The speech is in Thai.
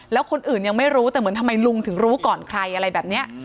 แล้วคนอื่นยังไม่รู้แต่เหมือนทำไมลุงถึงรู้ก่อนใครอะไรแบบนี้